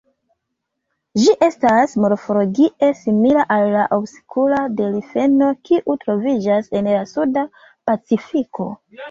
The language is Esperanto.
Ĝi estas morfologie simila al la obskura delfeno, kiu troviĝas en la Suda Pacifiko.